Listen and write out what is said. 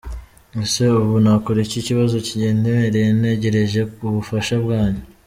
Ese ubu nakora iki kibazo kindemereye? Ntegereje ubufasha bwanyu.